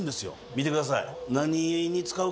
見てください。